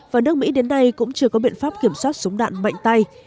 và nước mỹ đến đây cũng chưa có biện pháp kiểm soát súng đạn mạnh tay